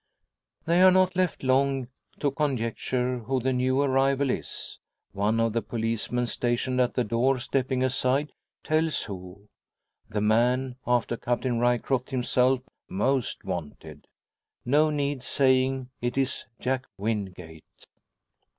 They are not left long to conjecture who the new arrival is. One of the policemen stationed at the door stepping aside tells who the man after Captain Ryecroft himself most wanted. No need saying it is Jack Wingate.